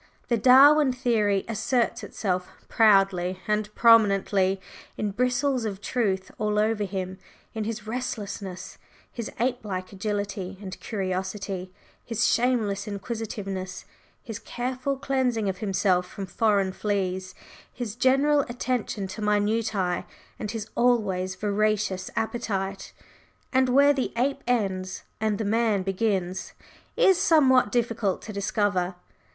The Darwin theory asserts itself proudly and prominently in bristles of truth all over him in his restlessness, his ape like agility and curiosity, his shameless inquisitiveness, his careful cleansing of himself from foreign fleas, his general attention to minutiæ, and his always voracious appetite; and where the ape ends and the man begins is somewhat difficult to discover.